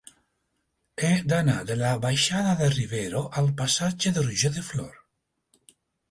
He d'anar de la baixada de Rivero al passatge de Roger de Flor.